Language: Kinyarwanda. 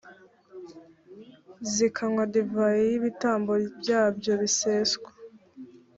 zikanywa divayi y’ibitambo byabo biseswa.